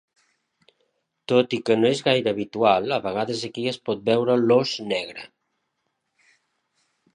Tot i que no és gaire habitual, a vegades aquí es pot veure l'ós negre.